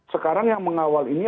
sekarang yang mengawal ini